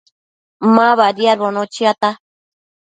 Ma badiadbono chiata